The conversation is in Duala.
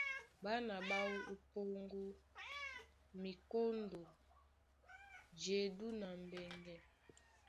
Ɓána ɓá wú ó Póŋgó, Mikóndo, Jedú na Mbɛŋgɛ.